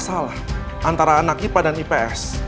masalah antara anak ipa dan ipps